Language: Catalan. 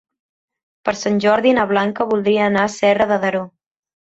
Per Sant Jordi na Blanca voldria anar a Serra de Daró.